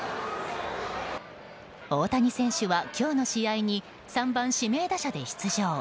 大谷選手は今日の試合に３番指名打者で出場。